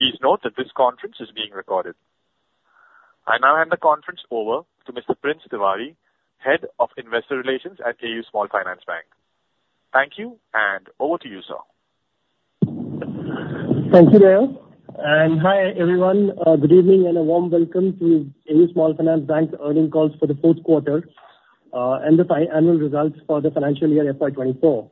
Please note that this conference is being recorded. I now hand the conference over to Mr. Prince Tiwari, Head of Investor Relations at AU Small Finance Bank. Thank you, and over to you, Sir. Thank you, Dayo. Hi everyone. Good evening and a warm welcome to AU Small Finance Bank's earnings calls for the fourth quarter and the annual results for the financial year FY2024.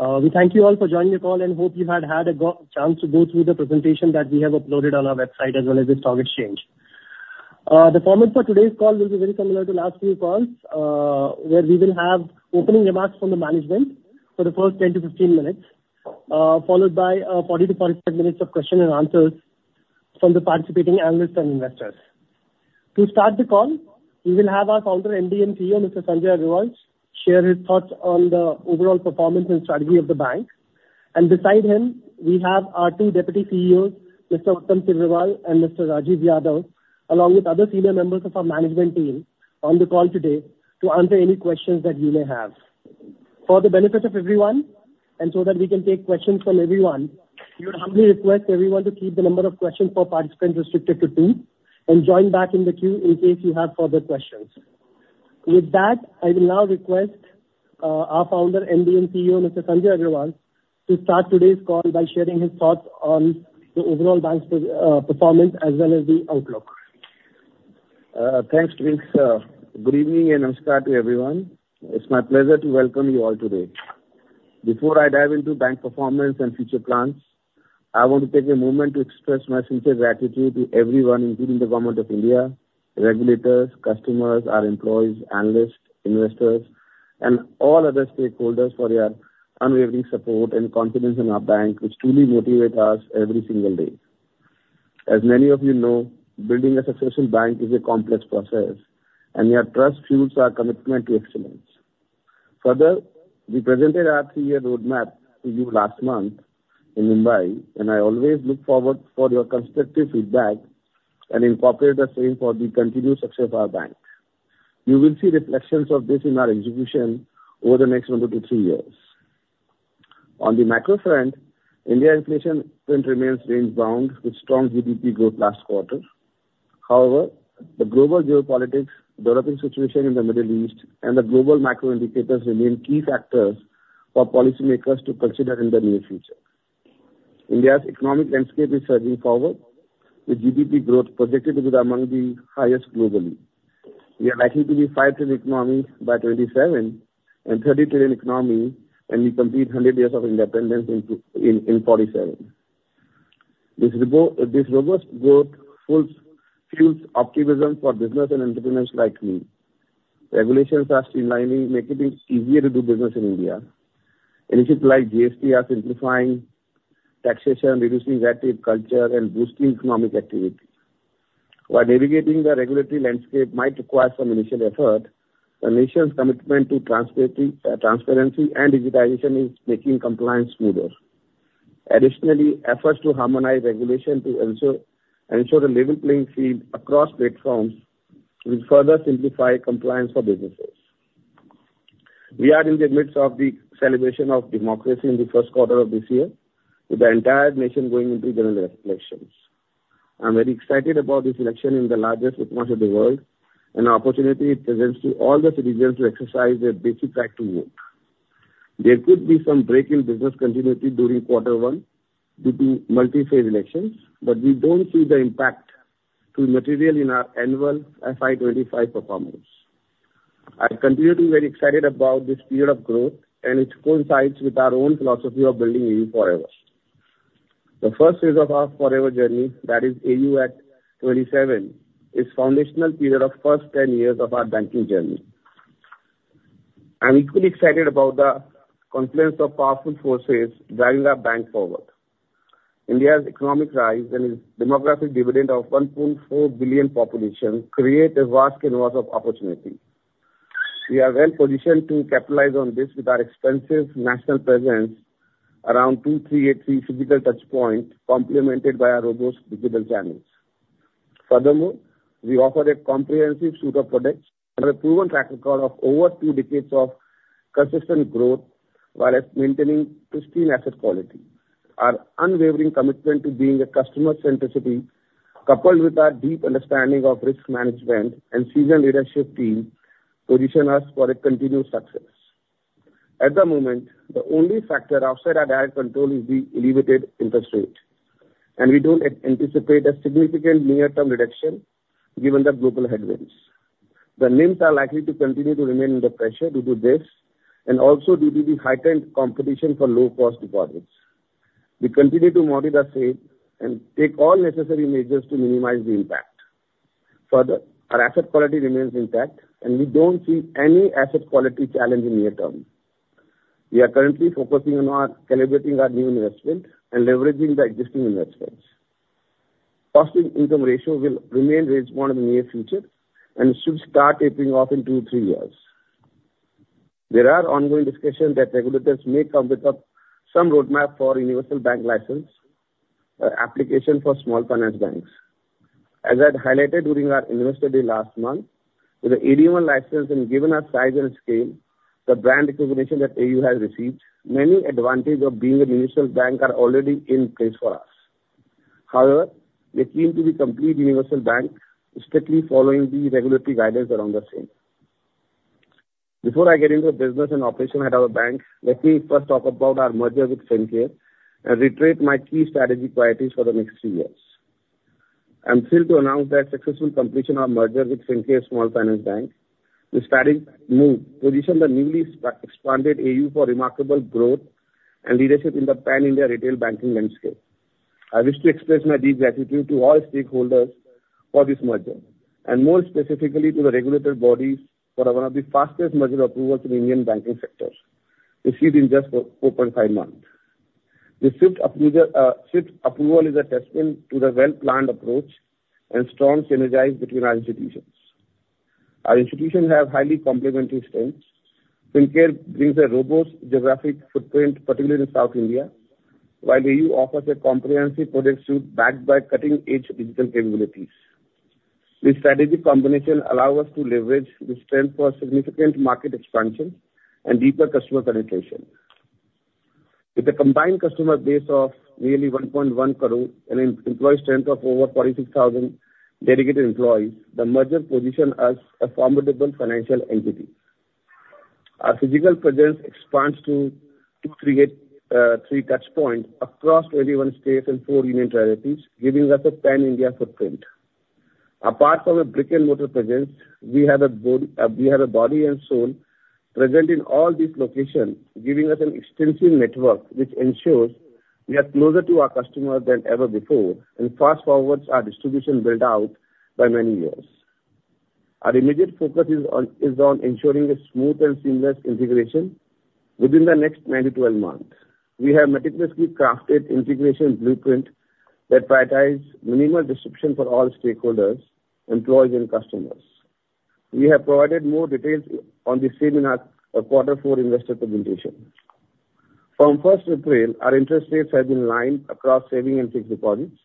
We thank you all for joining the call and hope you have had a good chance to go through the presentation that we have uploaded on our website as well as this stock exchange. The format for today's call will be very similar to last few calls, where we will have opening remarks from the management for the first 10-15 minutes, followed by 40-45 minutes of question and answers from the participating analysts and investors. To start the call, we will have our Founder and CEO, Mr. Sanjay Agarwal, share his thoughts on the overall performance and strategy of the bank. Beside him, we have our two deputy CEOs, Mr. Uttam Tibrewal and Mr. Rajeev Yadav, along with other senior members of our management team, on the call today to answer any questions that you may have. For the benefit of everyone, and so that we can take questions from everyone, we would humbly request everyone to keep the number of questions for participants restricted to two and join back in the queue in case you have further questions. With that, I will now request our Founder and CEO, Mr. Sanjay Agarwal, to start today's call by sharing his thoughts on the overall bank's performance as well as the outlook. Thanks, Prince. Good evening and namaskar to everyone. It's my pleasure to welcome you all today. Before I dive into bank performance and future plans, I want to take a moment to express my sincere gratitude to everyone, including the Government of India, regulators, customers, our employees, analysts, investors, and all other stakeholders for your unwavering support and confidence in our bank, which truly motivate us every single day. As many of you know, building a successful bank is a complex process, and your trust fuels our commitment to excellence. Further, we presented our 3-year roadmap to you last month in Mumbai, and I always look forward to your constructive feedback and incorporate the same for the continued success of our bank. You will see reflections of this in our execution over the next 1-3 years. On the macro front, India's inflation trend remains range-bound with strong GDP growth last quarter. However, the global geopolitics, developing situation in the Middle East, and the global macro indicators remain key factors for policymakers to consider in the near future. India's economic landscape is surging forward, with GDP growth projected to be among the highest globally. We are likely to be a $5 trillion economy by 2027 and a $30 trillion economy when we complete 100 years of independence in 1947. This robust growth fuels optimism for business and entrepreneurs like me. Regulations are streamlining, making it easier to do business in India. Initiatives like GST are simplifying taxation, reducing reactive culture, and boosting economic activity. While navigating the regulatory landscape might require some initial effort, the nation's commitment to transparency and digitization is making compliance smoother. Additionally, efforts to harmonize regulation to ensure a level playing field across platforms will further simplify compliance for businesses. We are in the midst of the celebration of democracy in the first quarter of this year, with the entire nation going into general elections. I'm very excited about this election in the largest electorate of the world and the opportunity it presents to all the citizens to exercise their basic right to vote. There could be some break in business continuity during quarter one due to multi-phase elections, but we don't see the impact too materially in our annual FY25 performance. I continue to be very excited about this period of growth, and it coincides with our own philosophy of building AU forever. The first phase of our forever journey, that is AU Act 2027, is the foundational period of the first 10 years of our banking journey. I'm equally excited about the confluence of powerful forces driving our bank forward. India's economic rise and its demographic dividend of 1.4 billion population create a vast canvas of opportunity. We are well positioned to capitalize on this with our expansive national presence around 2,383 physical touchpoints, complemented by our robust digital channels. Furthermore, we offer a comprehensive suite of products and a proven track record of over two decades of consistent growth while maintaining pristine asset quality. Our unwavering commitment to being a customer-centricity, coupled with our deep understanding of risk management and seasoned leadership teams, positions us for continued success. At the moment, the only factor outside our direct control is the elevated interest rate, and we don't anticipate a significant near-term reduction given the global headwinds. The NIMs are likely to continue to remain under pressure due to this and also due to the heightened competition for low-cost deposits. We continue to monitor the same and take all necessary measures to minimize the impact. Further, our asset quality remains intact, and we don't see any asset quality challenge in the near term. We are currently focusing on calibrating our new investment and leveraging the existing investments. Cost-to-income ratio will remain range-bound in the near future and should start tapering off in two to three years. There are ongoing discussions that regulators may come with some roadmap for universal bank license application for small finance banks. As I had highlighted during our investor day last month, with an AD1 license and given our size and scale, the brand recognition that AU has received, many advantages of being a universal bank are already in place for us. However, we are keen to be a complete universal bank, strictly following the regulatory guidance around the same. Before I get into the business and operation head of the bank, let me first talk about our merger with Fincare and reiterate my key strategy priorities for the next three years. I'm thrilled to announce the successful completion of our merger with Fincare Small Finance Bank. This strategic move positions the newly expanded AU for remarkable growth and leadership in the pan-India retail banking landscape. I wish to express my deep gratitude to all stakeholders for this merger, and more specifically to the regulatory bodies for one of the fastest merger approvals in the Indian banking sector, received in just 4.5 months. This swift approval is a testament to the well-planned approach and strong synergies between our institutions. Our institutions have highly complementary strengths. Fincare brings a robust geographic footprint, particularly in South India, while AU offers a comprehensive product suite backed by cutting-edge digital capabilities. This strategic combination allows us to leverage the strength for significant market expansion and deeper customer penetration. With a combined customer base of nearly 1.1 crore and an employee strength of over 46,000 dedicated employees, the merger positions us as a formidable financial entity. Our physical presence expands to 2,383 touchpoints across 21 states and four union territories, giving us a pan-India footprint. Apart from a brick-and-mortar presence, we have a body and soul present in all these locations, giving us an extensive network which ensures we are closer to our customers than ever before and fast-forwards our distribution build-out by many years. Our immediate focus is on ensuring a smooth and seamless integration within the next 9-12 months. We have meticulously crafted an integration blueprint that prioritizes minimal disruption for all stakeholders, employees, and customers. We have provided more details on this same in our quarter four investor presentation. From 1st April, our interest rates have been aligned across savings and fixed deposits.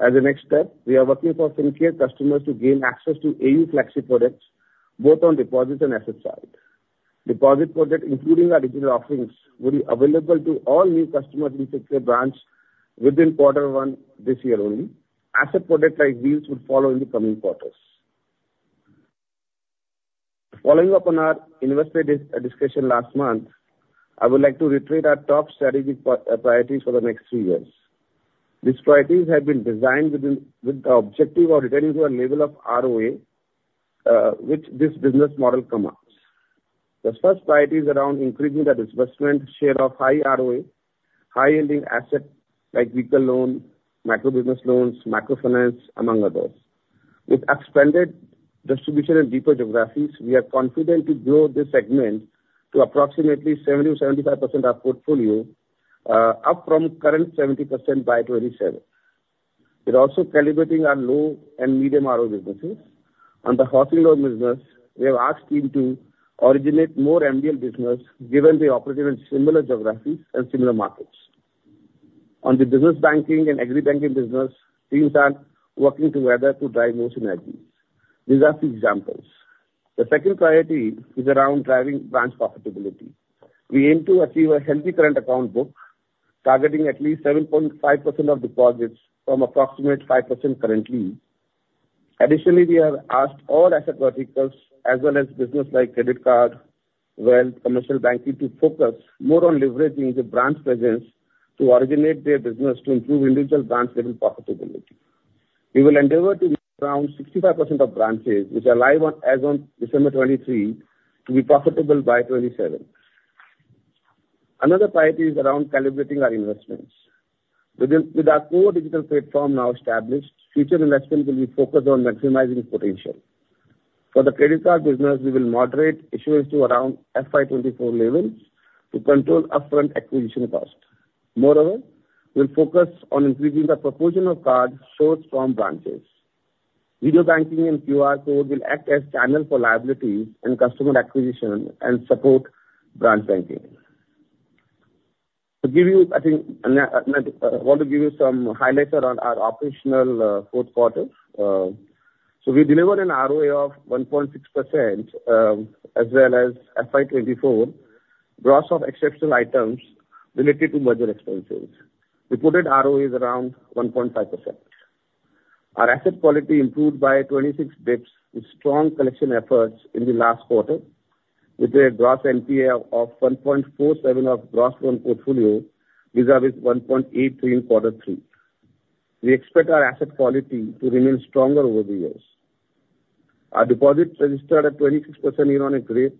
As a next step, we are working for Fincare customers to gain access to AU flagship products, both on deposits and asset side. Deposit products, including our digital offerings, will be available to all new customers in Fincare branches within quarter one this year only. Asset products like deals will follow in the coming quarters. Following up on our investor discussion last month, I would like to reiterate our top strategic priorities for the next three years. These priorities have been designed with the objective of returning to a level of ROA with which this business model comes out. The first priority is around increasing the disbursement share of high ROA, high-yielding assets like vehicle loans, microbusiness loans, microfinance, among others. With expanded distribution and deeper geographies, we are confident to grow this segment to approximately 70%-75% of our portfolio, up from current 70% by 2027. We're also calibrating our low and medium ROA businesses. On the housing loan business, we have asked the team to originate more MBL businesses given they operate in similar geographies and similar markets. On the business banking and agribanking business, teams are working together to drive more synergies. These are a few examples. The second priority is around driving branch profitability. We aim to achieve a healthy current account book, targeting at least 7.5% of deposits from approximately 5% currently. Additionally, we have asked all asset verticals as well as businesses like credit cards, wealth, commercial banking to focus more on leveraging the branch presence to originate their business to improve individual branch-level profitability. We will endeavor to reach around 65% of branches, which are live as of December 2023, to be profitable by 2027. Another priority is around calibrating our investments. With our core digital platform now established, future investment will be focused on maximizing potential. For the credit card business, we will moderate issuance to around FY24 levels to control upfront acquisition costs. Moreover, we'll focus on increasing the proportion of cards short-term branches. Video banking and QR codes will act as channels for liabilities and customer acquisition and support branch banking. To give you I think I want to give you some highlights around our operational fourth quarter. So we delivered an ROA of 1.6% as well as FY24 gross of exceptional items related to merger expenses. We put in ROAs around 1.5%. Our asset quality improved by 26 basis points with strong collection efforts in the last quarter, with a gross NPA of 1.47% of gross loan portfolio, which is 1.83% in quarter three. We expect our asset quality to remain stronger over the years. Our deposits registered 26% year-on-year growth,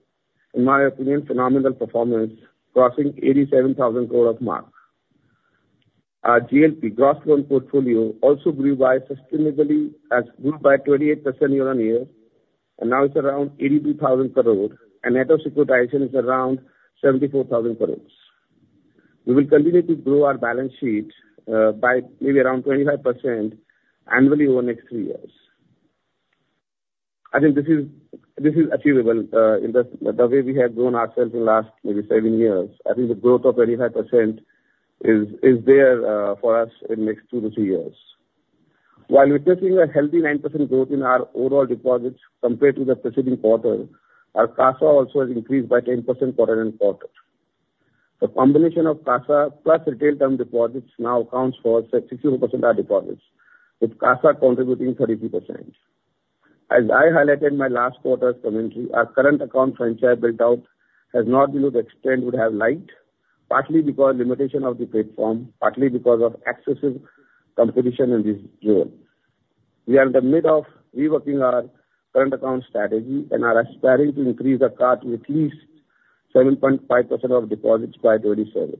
in my opinion, phenomenal performance, crossing the 87,000 crore mark. Our GLP, gross loan portfolio, also grew sustainably as it grew by 28% year-on-year, and now it's around 82,000 crore, and net of securitization is around 74,000 crore. We will continue to grow our balance sheet by maybe around 25% annually over the next three years. I think this is achievable in the way we have grown ourselves in the last maybe 7 years. I think the growth of 25% is there for us in the next two to three years. While witnessing a healthy 9% growth in our overall deposits compared to the preceding quarter, our CASA also has increased by 10% quarter-on-quarter. The combination of CASA plus retail-term deposits now accounts for 64% of our deposits, with CASA contributing 33%. As I highlighted in my last quarter's commentary, our current account franchise build-out has not been to the extent we would have liked, partly because of limitations of the platform, partly because of excessive competition in this zone. We are in the midst of reworking our current account strategy and are aspiring to increase our cut to at least 7.5% of deposits by 2027.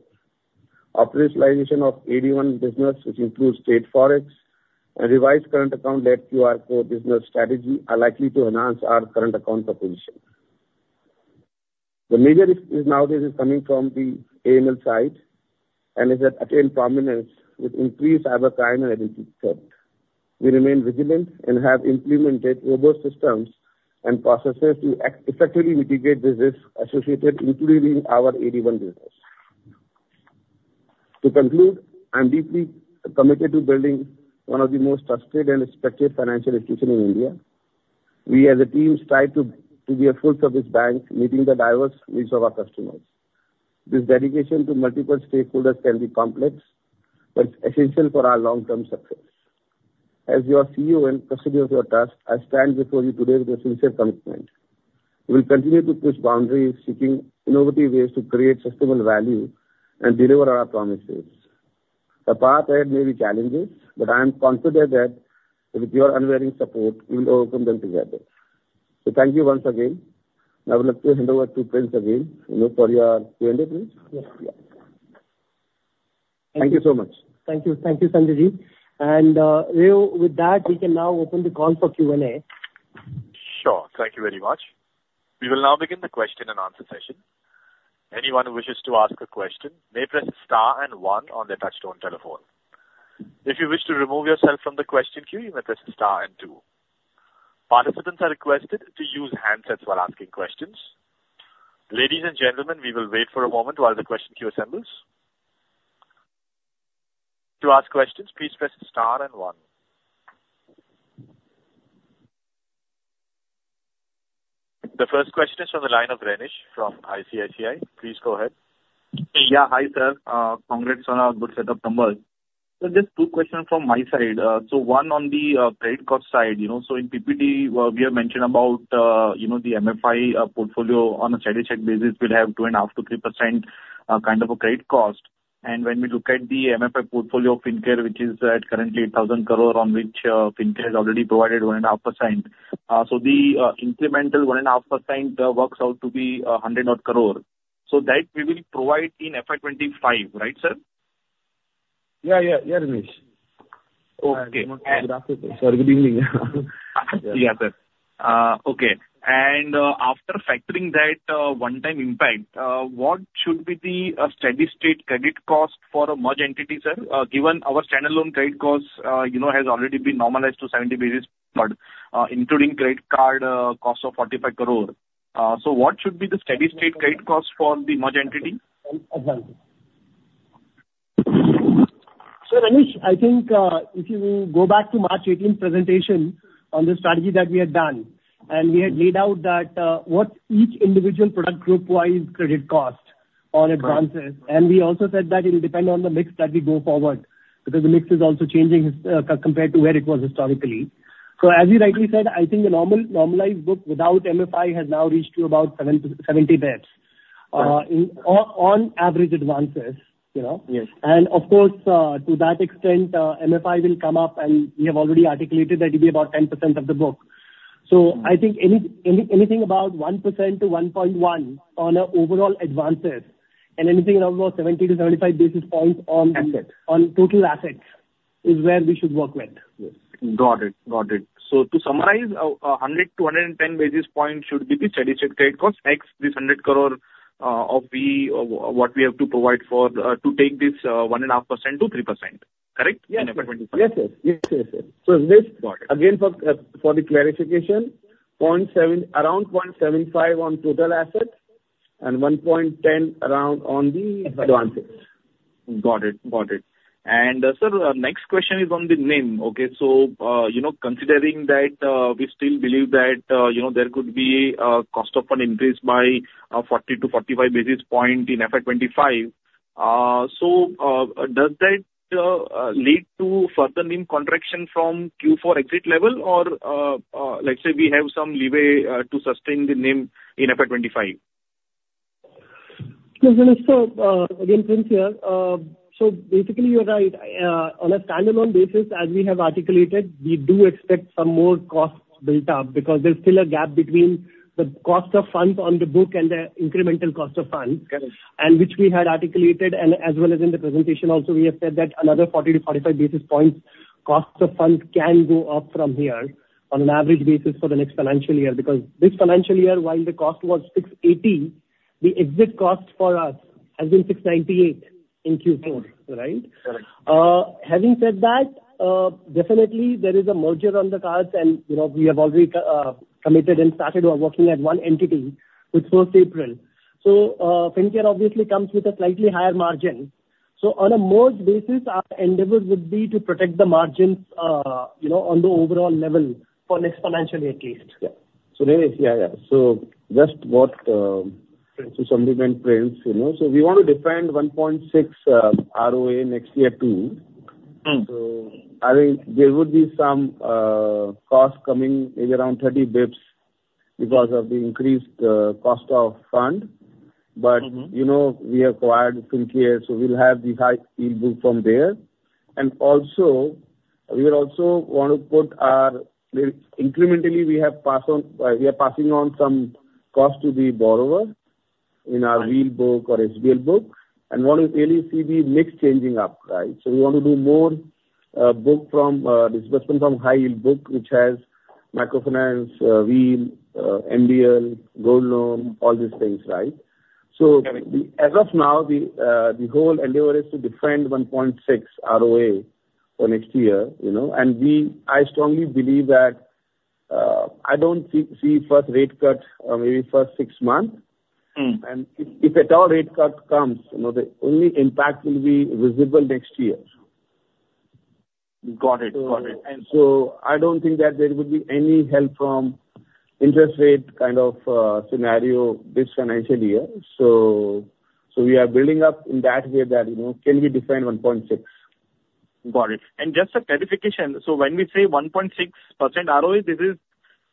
Operationalization of AD1 business, which includes state forex and revised current account led QR code business strategy, are likely to enhance our current account proposition. The major risk nowadays is coming from the AML side and has attained prominence with increased cybercrime and identity theft. We remain vigilant and have implemented robust systems and processes to effectively mitigate the risks associated, including our AD1 business. To conclude, I'm deeply committed to building one of the most trusted and respected financial institutions in India. We, as a team, strive to be a full-service bank meeting the diverse needs of our customers. This dedication to multiple stakeholders can be complex, but it's essential for our long-term success. As your CEO and custody of your trust, I stand before you today with a sincere commitment. We will continue to push boundaries, seeking innovative ways to create sustainable value and deliver our promises. The path ahead may be challenging, but I am confident that with your unwavering support, we will overcome them together. Thank you once again. Now I would like to hand over to Prince again. For your Q&A, please? Yes. Thank you so much. Thank you. Thank you, Sanjay Ji. Ray, with that, we can now open the call for Q&A. Sure. Thank you very much. We will now begin the question-and-answer session. Anyone who wishes to ask a question may press star and one on their touch-tone telephone. If you wish to remove yourself from the question queue, you may press star and two. Participants are requested to use handsets while asking questions. Ladies and gentlemen, we will wait for a moment while the question queue assembles. To ask questions, please press star and one. The first question is from the line of Renish from ICICI. Please go ahead. Yeah. Hi, sir. Congrats on our good setup number. So just two questions from my side. So one on the credit cost side. So in PPT, we have mentioned about the MFI portfolio on a steady check basis will have 2.5%-3% kind of a credit cost. And when we look at the MFI portfolio of Fincare, which is currently 8,000 crore, on which Fincare has already provided 1.5%, so the incremental 1.5% works out to be 100 crore. So that we will provide in FY2025, right, sir? Yeah. Yeah. Yeah, Renish. Okay. Sorry. Good evening. Yeah, sir. Okay. After factoring that one-time impact, what should be the steady state credit cost for a merge entity, sir, given our standalone credit cost has already been normalized to 70 basis point, including credit card cost of 45 crore? So what should be the steady state credit cost for the merge entity? Sir, Renish, I think if you go back to March 18th presentation on the strategy that we had done, and we had laid out what each individual product group-wise credit cost on advances. We also said that it will depend on the mix that we go forward because the mix is also changing compared to where it was historically. So as you rightly said, I think the normalized book without MFI has now reached about 70 basis points on average advances. And of course, to that extent, MFI will come up, and we have already articulated that it will be about 10% of the book. So I think anything about 1%-1.1% on overall advances and anything around about 70-75 basis points on total assets is where we should work with. Got it. Got it. So to summarize, 100-110 basis points should be the steady state credit cost, X, this 100 crore of what we have to provide to take this 1.5%-3%, correct? Yes. In FY25? Yes, sir. Yes, sir, yes, sir. So again, for the clarification, around 0.75 on total assets and 1.10 around on the advances. Got it. Got it. And sir, next question is on the NIM. Okay. So considering that we still believe that there could be a cost of funds increase by 40-45 basis points in FY25, so does that lead to further NIM contraction from Q4 exit level, or let's say we have some leeway to sustain the NIM in FY25? Yes, Renish. So again, Prince here. So basically, you're right. On a standalone basis, as we have articulated, we do expect some more costs built up because there's still a gap between the cost of funds on the book and the incremental cost of funds, and which we had articulated. And as well as in the presentation, also, we have said that another 40-45 basis points cost of funds can go up from here on an average basis for the next financial year because this financial year, while the cost was 680, the exit cost for us has been 698 in Q4, right? Having said that, definitely, there is a merger on the cards, and we have already committed and started working at one entity with 1st April. So Fincare obviously comes with a slightly higher margin. On a merger basis, our endeavor would be to protect the margins on the overall level for next financial year, at least. Yeah. So Renish, yeah, yeah. So just to supplement Prince. So we want to defend 1.6 ROA next year too. So I think there would be some cost coming maybe around 30 basis points because of the increased cost of fund. But we acquired Fincare, so we'll have the high yield book from there. And also, we also want to put our incrementally, we are passing on some cost to the borrower in our yield book or SBL book. And one is really see the mix changing up, right? So we want to do more book from disbursement from high yield book, which has microfinance, yield, MBL, gold loan, all these things, right? So as of now, the whole endeavor is to defend 1.6 ROA for next year. And I strongly believe that I don't see first rate cut maybe first six months. If at all rate cut comes, the only impact will be visible next year. Got it. Got it. So I don't think that there would be any help from interest rate kind of scenario this financial year. So we are building up in that way that can we defend 1.6%. Got it. Just a clarification. So when we say 1.6% ROA, this is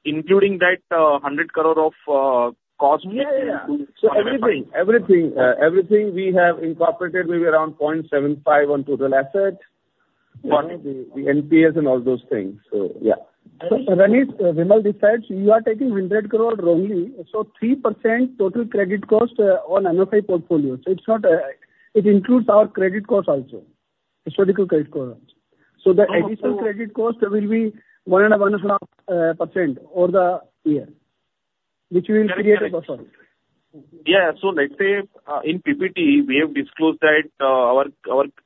including that 100 crore of cost? Yes, yes, yes. So everything. Everything. Everything we have incorporated maybe around 0.75 on total assets, the NPAs, and all those things. So yeah. So Renish, Vimal decides you are taking 100 crore only. So 3% total credit cost on MFI portfolio. So it includes our credit cost also, historical credit cost also. So the additional credit cost will be 1.5% over the year, which will create a buffer. Yeah. So let's say in PPT, we have disclosed that our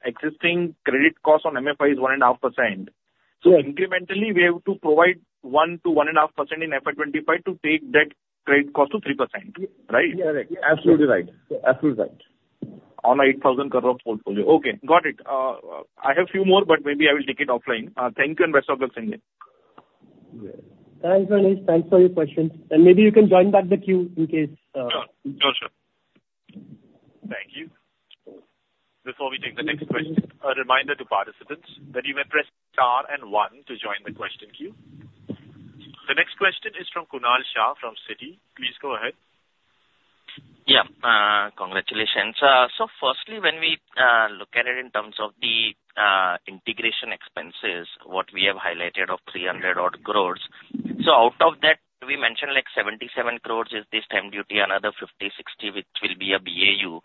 existing credit cost on MFI is 1.5%. So incrementally, we have to provide 1%-1.5% in FY2025 to take that credit cost to 3%, right? Yeah, right. Absolutely right. Absolutely right. On 8,000 crore of portfolio. Okay. Got it. I have a few more, but maybe I will take it offline. Thank you and best of luck, Sanjay. Thanks, Renish. Thanks for your questions. Maybe you can join back the queue in case. Sure. Sure, sure. Thank you. Before we take the next question, a reminder to participants that you may press star and one to join the question queue. The next question is from Kunal Shah from Citi. Please go ahead. Yeah. Congratulations. So firstly, when we look at it in terms of the integration expenses, what we have highlighted of 300-odd crore, so out of that, we mentioned 77 crore is stamp duty, another 50-60, which will be a BAU.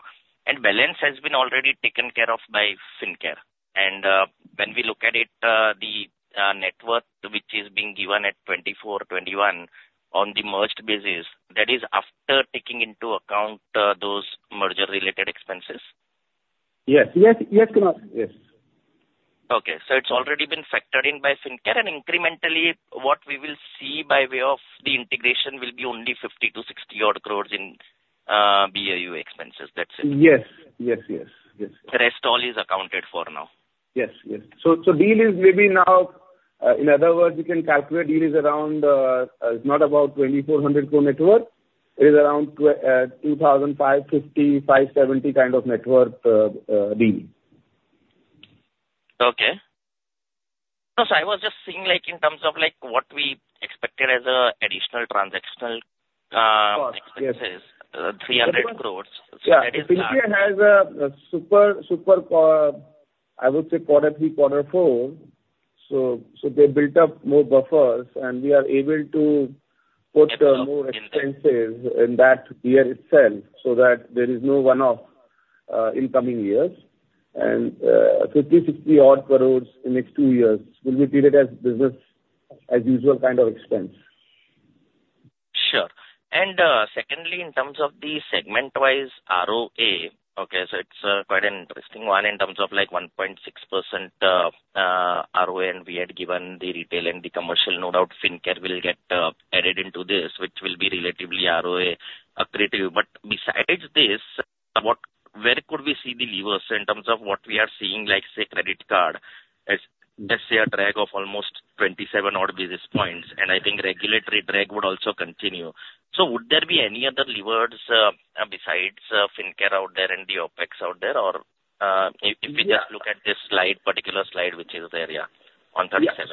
And balance has been already taken care of by Fincare. And when we look at it, the net worth which is being given at 2,421 on the merged basis, that is after taking into account those merger-related expenses? Yes. Yes, yes, Kunal. Yes. Okay. So it's already been factored in by Fincare. Incrementally, what we will see by way of the integration will be only 50-60 odd crores in BAU expenses. That's it. Yes. Yes, yes, yes, yes. The rest all is accounted for now. Yes, yes. So deal is maybe now in other words, you can calculate deal is around it's not about 2,400 crore net worth. It is around 2,550, 570 kind of net worth deal. Okay. No, sir. I was just seeing in terms of what we expected as additional transactional expenses, 300 crore. So that is. Yeah. Fincare has a super, super I would say quarter three, quarter four. So they built up more buffers, and we are able to put more expenses in that year itself so that there is no one-off in coming years. 50-60 odd crore INR in next two years will be treated as business-as-usual kind of expense. Sure. And secondly, in terms of the segment-wise ROA, okay, so it's quite an interesting one in terms of 1.6% ROA and we had given the retail and the commercial, no doubt Fincare will get added into this, which will be relatively ROA accretive. But besides this, where could we see the levers in terms of what we are seeing, say, credit card? Let's say a drag of almost 27 odd basis points. And I think regulatory drag would also continue. So would there be any other levers besides Fincare out there and the OPEX out there, or if we just look at this particular slide, which is there, yeah, on 37?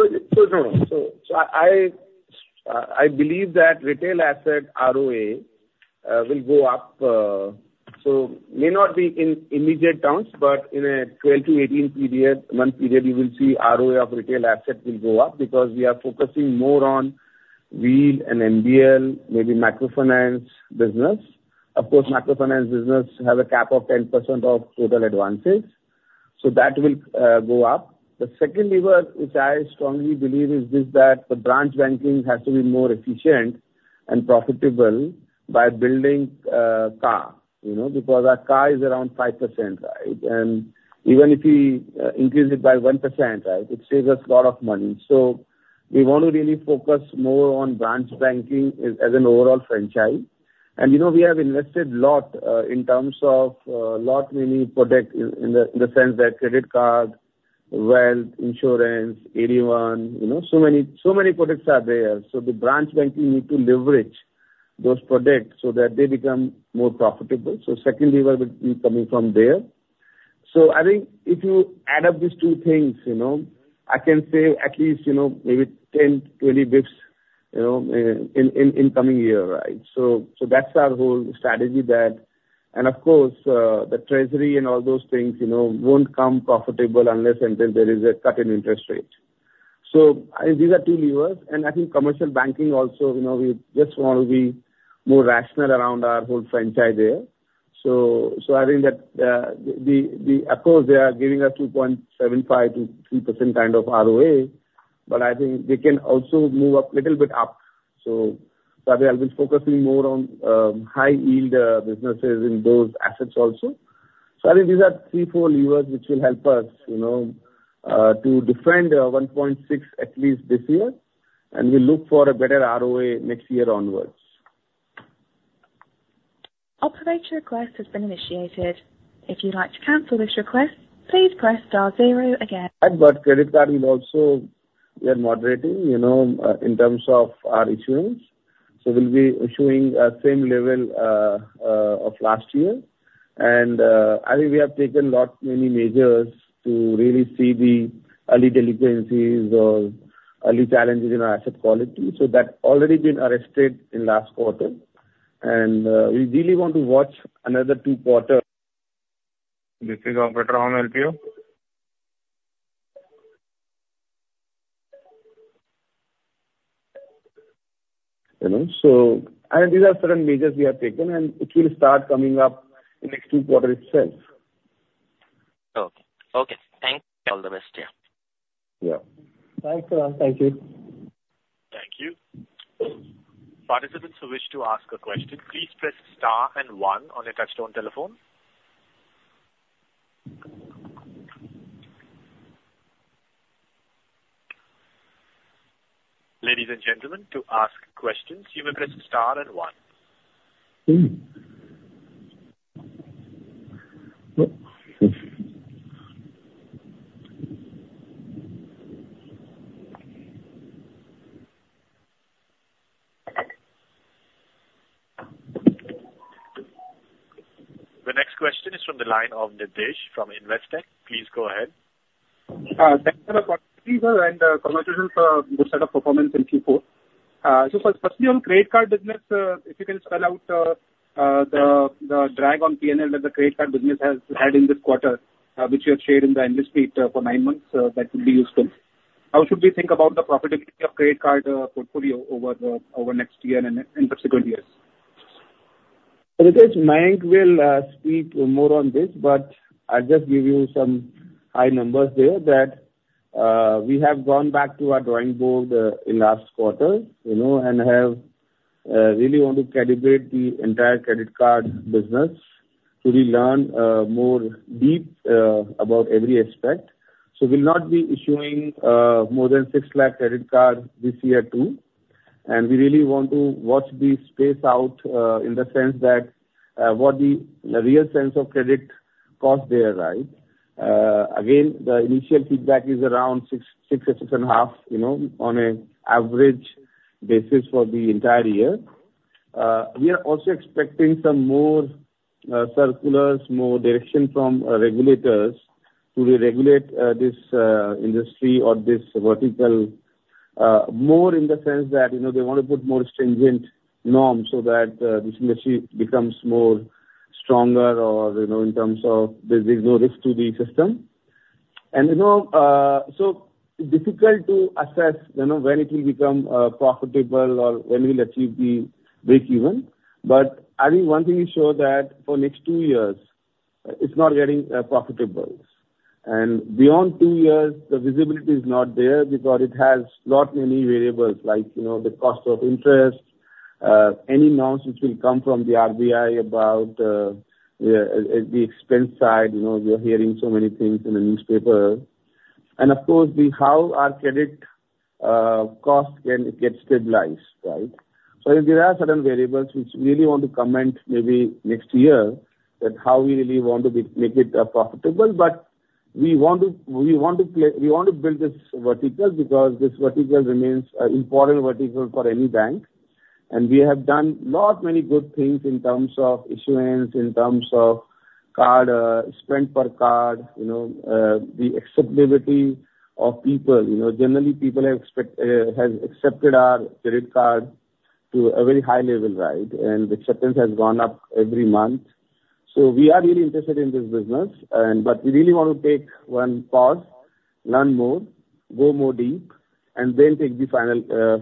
So no, no. I believe that retail asset ROA will go up. It may not be in immediate terms, but in a 12-18 period, one period, you will see ROA of retail asset will go up because we are focusing more on yield and MBL, maybe microfinance business. Of course, microfinance business has a cap of 10% of total advances. So that will go up. The second lever, which I strongly believe, is this that the branch banking has to be more efficient and profitable by building CAR because our CAR is around 5%, right? And even if we increase it by 1%, right, it saves us a lot of money. So we want to really focus more on branch banking as an overall franchise. And we have invested a lot in terms of a lot, maybe product, in the sense that credit card, wealth, insurance, AD1, so many products are there. So the branch banking need to leverage those products so that they become more profitable. So second lever will be coming from there. So I think if you add up these two things, I can save at least maybe 10-20 bps in coming year, right? So that's our whole strategy that and of course, the treasury and all those things won't come profitable unless and then there is a cut in interest rate. So these are two levers. And I think commercial banking also, we just want to be more rational around our whole franchise there. So I think that the approach they are giving us 2.75%-3% kind of ROA, but I think they can also move up a little bit up. So I think I'll be focusing more on high-yield businesses in those assets also. So I think these are three, four levers which will help us to defend 1.6% at least this year. And we'll look for a better ROA next year onwards. Operator request has been initiated. If you'd like to cancel this request, please press star zero again. But, credit card will also we are moderating in terms of our issuance. So, we'll be issuing same level of last year. And I think we have taken a lot many measures to really see the early delinquencies or early challenges in our asset quality. So that already been arrested in last quarter. And we really want to watch another two quarters. This is Operator Ram. Help you? I think these are certain measures we have taken, and it will start coming up in next two quarters itself. Okay. Okay. Thank you. All the best here. Yeah. Thanks, Kunal. Thank you. Thank you. Participants who wish to ask a question, please press star and one on a touch-tone telephone. Ladies and gentlemen, to ask questions, you may press star and one. The next question is from the line of Nitish from Investec. Please go ahead. Thanks for the conversation and congratulations for a good set of performance in Q4. Firstly, on credit card business, if you can spell out the drag on P&L that the credit card business has had in this quarter, which you have shared in the analyst feed for nine months, that would be useful. How should we think about the profitability of credit card portfolio over next year and subsequent years? Mayank will speak more on this, but I'll just give you some high numbers there that we have gone back to our drawing board in last quarter and have really want to calibrate the entire credit card business to really learn more deep about every aspect. So we'll not be issuing more than 600,000 credit cards this year too. And we really want to watch the space out in the sense that what the real sense of credit cost there, right? Again, the initial feedback is around 6 or 6.5 on an average basis for the entire year. We are also expecting some more circulars, more direction from regulators to deregulate this industry or this vertical more in the sense that they want to put more stringent norms so that this industry becomes more stronger or in terms of there's no risk to the system. So difficult to assess when it will become profitable or when we'll achieve the break-even. But I think one thing is sure that for next two years, it's not getting profitable. And beyond two years, the visibility is not there because it has a lot many variables like the cost of interest, any norms which will come from the RBI about the expense side. We are hearing so many things in the newspaper. And of course, how our credit cost can get stabilized, right? So there are certain variables which we really want to comment maybe next year that how we really want to make it profitable. But we want to we want to play we want to build this vertical because this vertical remains an important vertical for any bank. And we have done a lot many good things in terms of issuance, in terms of card spend per card, the acceptability of people. Generally, people have accepted our credit card to a very high level, right? And the acceptance has gone up every month. So we are really interested in this business, but we really want to take one pause, learn more, go more deep, and then take the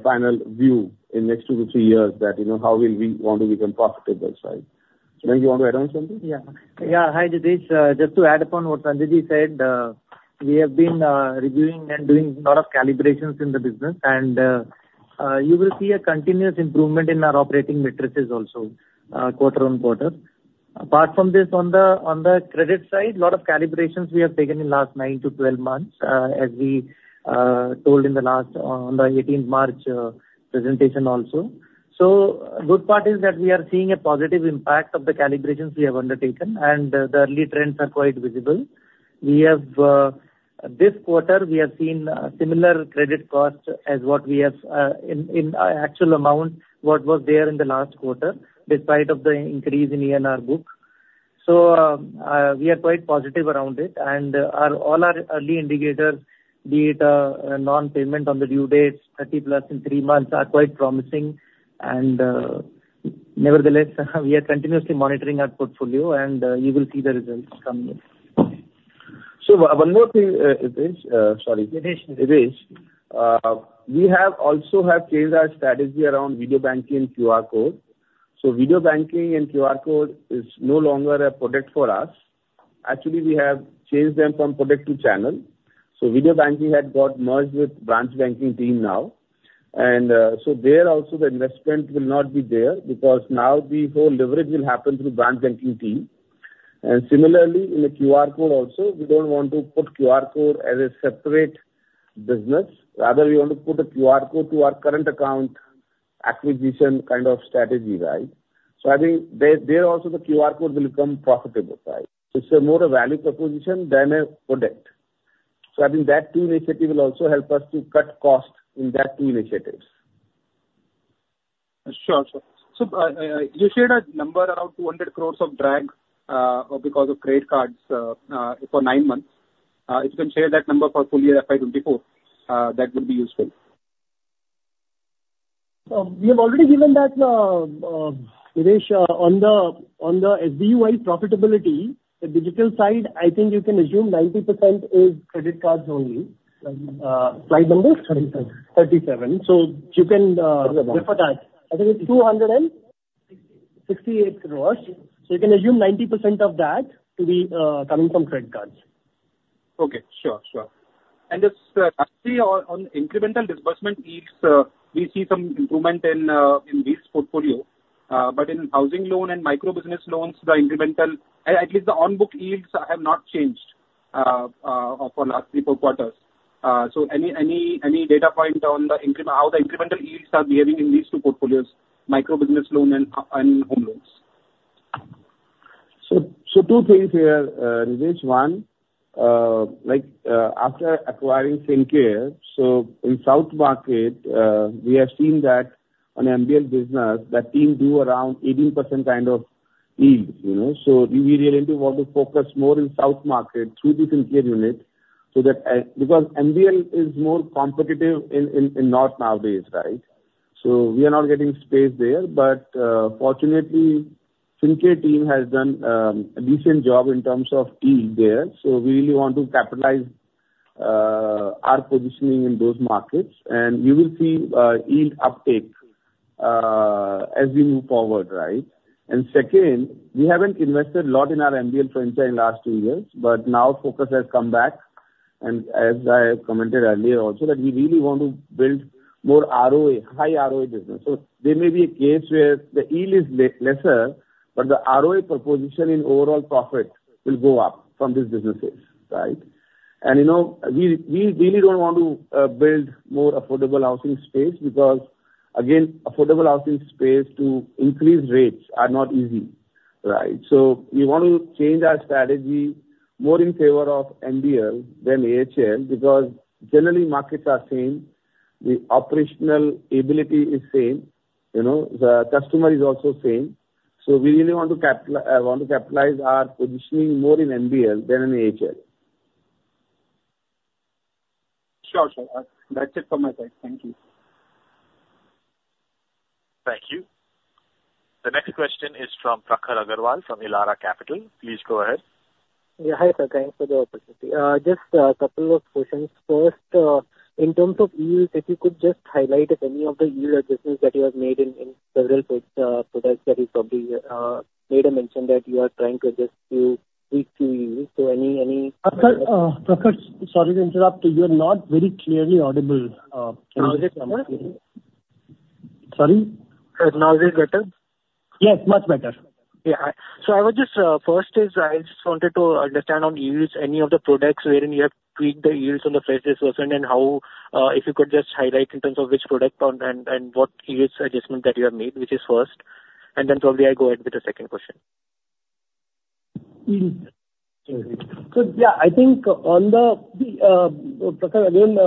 final view in next 2-3 years that how will we want to become profitable, right? Mayank, you want to add on something? Yeah. Yeah. Hi, Jitish. Just to add upon what Sanjay said, we have been reviewing and doing a lot of calibrations in the business. You will see a continuous improvement in our operating matrices also quarter-over-quarter. Apart from this, on the credit side, a lot of calibrations we have taken in last 9-12 months as we told in the last on the 18th March presentation also. So good part is that we are seeing a positive impact of the calibrations we have undertaken, and the early trends are quite visible. This quarter, we have seen similar credit cost as what we have in actual amount what was there in the last quarter despite of the increase in ENR book. So we are quite positive around it. All our early indicators, be it non-payment on the due dates, 30+ in 3 months, are quite promising. Nevertheless, we are continuously monitoring our portfolio, and you will see the results coming. One more thing, Nitish. Sorry. Nitish. Nitish, we also have changed our strategy around video banking and QR code. Video banking and QR code is no longer a product for us. Actually, we have changed them from product to channel. Video banking had got merged with branch banking team now. There also, the investment will not be there because now the whole leverage will happen through branch banking team. Similarly, in the QR code also, we don't want to put QR code as a separate business. Rather, we want to put a QR code to our current account acquisition kind of strategy, right? I think there also, the QR code will become profitable, right? It's more a value proposition than a product. That two initiative will also help us to cut cost in that two initiatives. Sure, sure. So you shared a number around 200 crore of drag because of credit cards for nine months. If you can share that number for full year FY 2024, that would be useful. We have already given that, Vivek. On the SBU-wise profitability, the digital side, I think you can assume 90% is credit cards only. Slide number? 37. You can refer that. I think it's 200 and? 68. 68 crore. So you can assume 90% of that to be coming from credit cards. Okay. Sure, sure. And I see on incremental disbursement yields, we see some improvement in this portfolio. But in housing loan and microbusiness loans, the incremental at least the on-book yields have not changed for last three, four quarters. So any data point on how the incremental yields are behaving in these two portfolios, microbusiness loan and home loans? So two things here, Nitish. One, after acquiring Fincare, so in South market, we have seen that on MBL business, that team do around 18% kind of yield. So we really want to focus more in South market through the Fincare unit because MBL is more competitive in North nowadays, right? So we are not getting space there. But fortunately, Fincare team has done a decent job in terms of yield there. So we really want to capitalize our positioning in those markets. And you will see yield uptake as we move forward, right? And second, we haven't invested a lot in our MBL franchise in last two years, but now focus has come back. And as I commented earlier also, that we really want to build more ROA, high ROA business. So there may be a case where the yield is lesser, but the ROA proposition in overall profit will go up from these businesses, right? And we really don't want to build more affordable housing space because, again, affordable housing space to increase rates are not easy, right? So we want to change our strategy more in favor of MBL than AHL because generally, markets are same. The operational ability is same. The customer is also same. So we really want to capitalize our positioning more in MBL than in AHL. Sure, sure. That's it from my side. Thank you. Thank you. The next question is from Prakhar Agarwal from Elara Capital. Please go ahead. Yeah. Hi, sir. Thanks for the opportunity. Just a couple of questions. First, in terms of yields, if you could just highlight if any of the yield adjustments that you have made in several products that you probably made a mention that you are trying to adjust to reach few yields. So any? Prakhar, sorry to interrupt. You are not very clearly audible. Now is it better? Sorry? Is now is it better? Yes, much better. Yeah. So first is I just wanted to understand on yields, any of the products wherein you have tweaked the yields on the freshest version and how if you could just highlight in terms of which product and what yields adjustment that you have made, which is first. And then probably I go ahead with the second question. Yes. So yeah, I think on the Prakhar, again,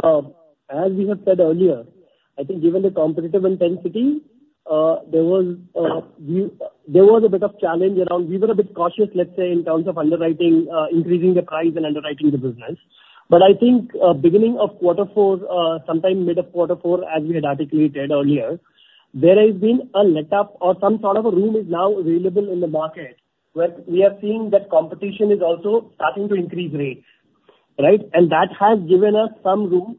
as we have said earlier, I think given the competitive intensity, there was a bit of challenge around, we were a bit cautious, let's say, in terms of increasing the price and underwriting the business. But I think beginning of quarter four, sometime mid of quarter four, as we had articulated earlier, there has been a letup or some sort of a room is now available in the market where we are seeing that competition is also starting to increase rates, right? And that has given us some room.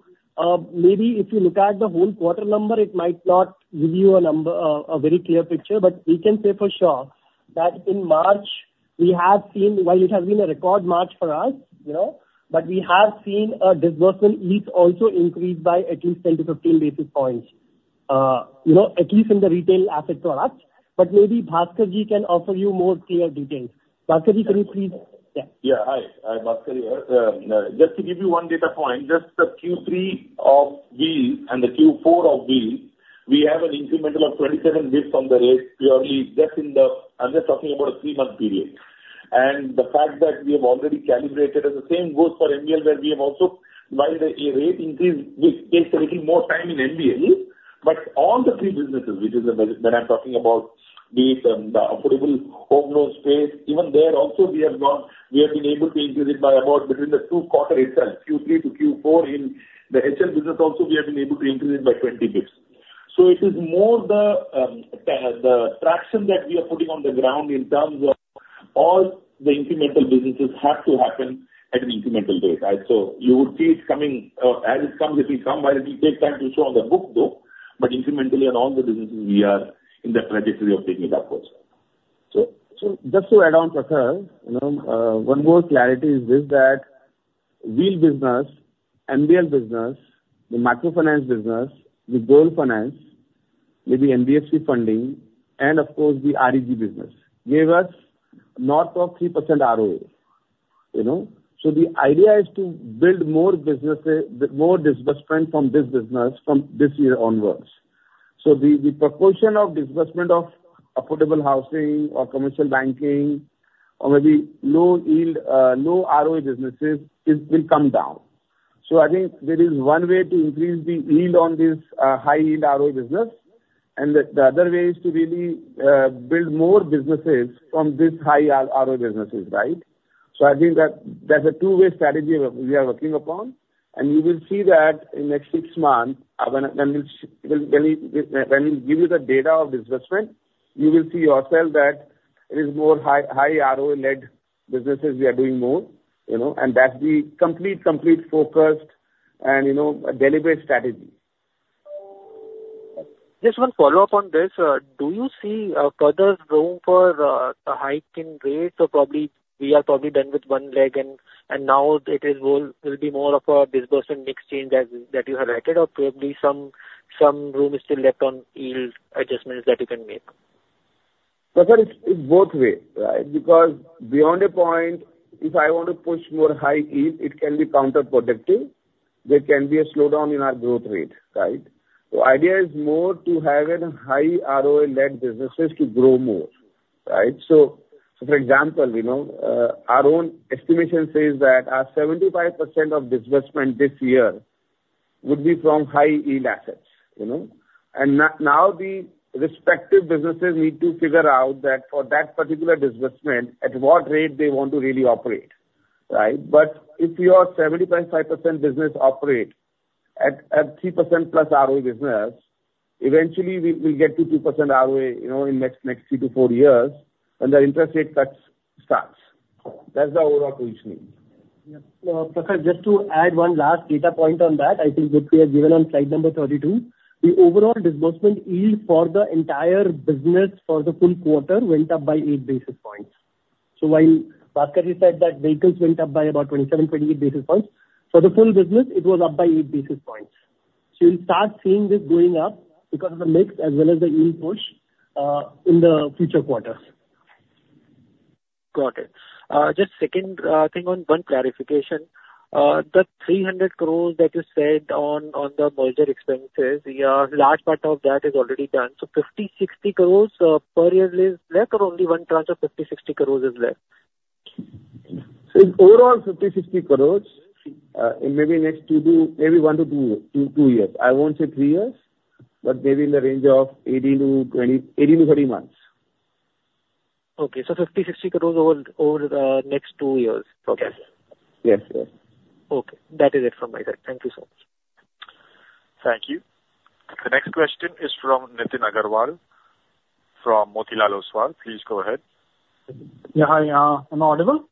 Maybe if you look at the whole quarter number, it might not give you a very clear picture. But we can say for sure that in March, we have seen while it has been a record March for us, but we have seen a disbursement yield also increase by at least 10-15 basis points, at least in the retail asset product. But maybe Bhaskar Ji can offer you more clear details. Bhaskar Ji, can you please yeah. Yeah. Hi. Hi, Bhaskar Karkera. Just to give you one data point, just the Q3 of FY and the Q4 of FY, we have an incremental of 27 bps on the rate purely just in the. I'm just talking about a three-month period. And the fact that we have already calibrated and the same goes for MBL where we have also while the rate increase, it takes a little more time in MBL. But all the three businesses, which is when I'm talking about the affordable home loan space, even there also, we have been able to increase it by about between the two quarter itself, Q3 to Q4. In the HL business also, we have been able to increase it by 20 bps. So, it is more the traction that we are putting on the ground in terms of all the incremental businesses have to happen at an incremental rate. So you would see it coming as it comes if you come while it will take time to show on the books though. But incrementally, on all the businesses, we are in the trajectory of taking it upwards. So just to add on, Prakhar, one more clarity is this that vehicle business, MBL business, the microfinance business, the gold loans, maybe NBFC funding, and of course, the REG business gave us north of 3% ROA. So the idea is to build more disbursement from this business from this year onwards. So the proportion of disbursement of affordable housing or commercial banking or maybe low ROA businesses will come down. So I think there is one way to increase the yield on this high-yield ROA business. And the other way is to really build more businesses from these high ROA businesses, right? So I think that that's a two-way strategy we are working upon. And you will see that in next six months, when we'll give you the data of disbursement, you will see yourself that it is more high ROA-led businesses we are doing more. That's the complete, complete focused and deliberate strategy. Just one follow-up on this. Do you see further room for a hike in rates? We are probably done with one leg, and now it will be more of a disbursement mix change that you have added, or probably some room is still left on yield adjustments that you can make? Prakhar, it's both ways, right? Because beyond a point, if I want to push more high yield, it can be counterproductive. There can be a slowdown in our growth rate, right? The idea is more to have high ROA-led businesses to grow more, right? So for example, our own estimation says that 75% of disbursement this year would be from high-yield assets. And now the respective businesses need to figure out that for that particular disbursement, at what rate they want to really operate, right? But if your 75% business operate at 3%+ ROA business, eventually, we'll get to 2% ROA in next three to four years when the interest rate cuts starts. That's the overall positioning. Yeah. Prakhar, just to add one last data point on that, I think that we have given on slide number 32, the overall disbursement yield for the entire business for the full quarter went up by 8 basis points. So while Bhaskar Ji said that vehicles went up by about 27-28 basis points, for the full business, it was up by 8 basis points. So you'll start seeing this going up because of the mix as well as the yield push in the future quarters. Got it. Just second thing on one clarification. The 300 crore that you said on the merger expenses, a large part of that is already done. So 50-60 crore per year is left or only one tranche of 50-60 crore is left? So overall, 50 crore-60 crore in maybe next 2 to maybe 1 to 2 years. I won't say 3 years, but maybe in the range of 80-30 months. Okay. So 50-60 crore over the next two years, probably? Yes. Yes, yes. Okay. That is it from my side. Thank you so much. Thank you. The next question is from Nitin Aggarwal from Motilal Oswal. Please go ahead. Yeah. Hi. Am I audible?